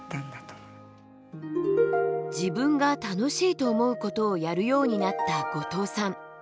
自分が楽しいと思うことをやるようになった後藤さん。